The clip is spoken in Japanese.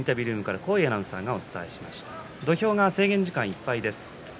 土俵が制限時間いっぱいです。